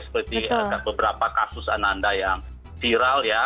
seperti ada beberapa kasus anak anak yang viral ya